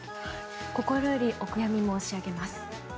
心よりお悔やみ申し上げます。